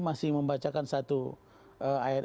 masih membacakan satu ayat